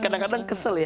kadang kadang kesel ya